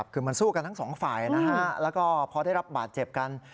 คือมันสู้กันทั้งสองฝ่ายนะฮะแล้วก็พอได้รับบาดเจ็บกัน